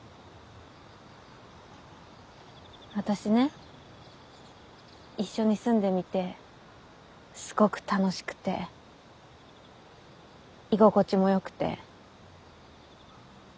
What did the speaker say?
私ね一緒に住んでみてすごく楽しくて居心地もよくて。